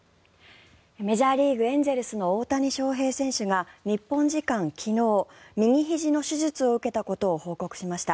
メジャーリーグエンゼルスの大谷翔平選手が日本時間昨日右ひじの手術を受けたことを報告しました。